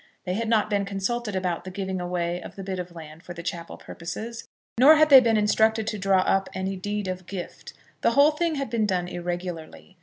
They had not been consulted about the giving away of the bit of land for the chapel purposes, nor had they been instructed to draw up any deed of gift. The whole thing had been done irregularly.